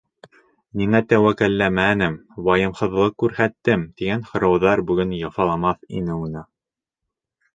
Ниңә тәүәккәлләмәнем, вайымһыҙлыҡ күрһәттем, тигән һорауҙар бөгөн яфаламаҫ ине уны.